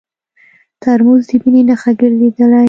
ترموز د مینې نښه ګرځېدلې.